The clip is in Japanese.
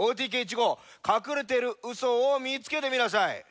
ＯＴＫ１ごうかくれてるウソをみつけてみなさい。